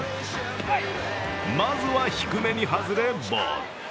まずは低めに外れボール。